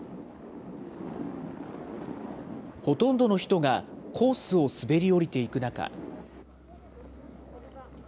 ほとんどの人がコースを滑り降りていく中。